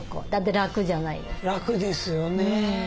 楽ですよね。